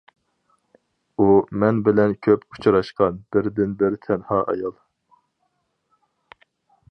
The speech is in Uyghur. ئۇ مەن بىلەن كۆپ ئۇچراشقان بىردىنبىر تەنھا ئايال.